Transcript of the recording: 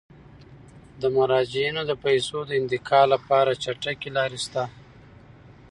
د مراجعینو د پيسو د انتقال لپاره چټکې لارې شته.